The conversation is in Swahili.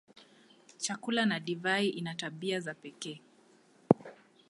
Chakula na divai ina tabia za pekee.